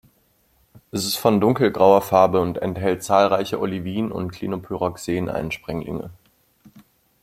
Es ist von dunkelgrauer Farbe und enthält zahlreiche Olivin- und Klinopyroxen-Einsprenglinge.